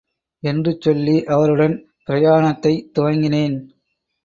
என்று சொல்லி அவருடன் பிரயாணத்தைத் துவங்கினேன்.